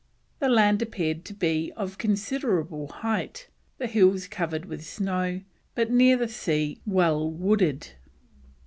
The land appeared to be of considerable height, the hills covered with snow, but near the sea, well wooded.